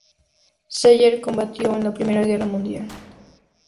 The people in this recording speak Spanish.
Zeller combatió en la Primera Guerra Mundial.